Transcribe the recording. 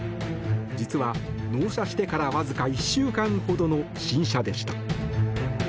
実は、納車してからわずか１週間ほどの新車でした。